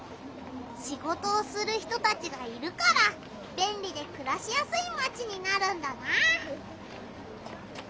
シゴトをする人たちがいるからべんりでくらしやすいマチになるんだな！